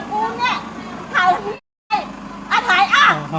ถ่ายก้าวพอฮ่าวสบายมากมันต้องหัว